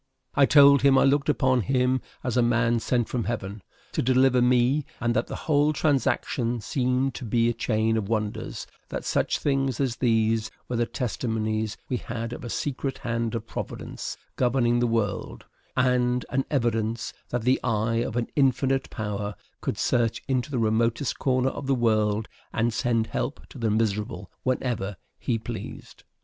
I told him I looked upon him as a man sent from Heaven to deliver me, and that the whole transaction seemed to be a chain of wonders; that such things as these were the testimonies we had of a secret hand of Providence governing the world, and an evidence that the eye of an infinite Power could search into the remotest corner of the world, and send help to the miserable whenever He pleased.